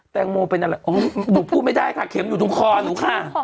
แตงโมเป็นอะไรหนูพูดไม่ได้ค่ะเข็มอยู่ตรงคอหนูค่ะ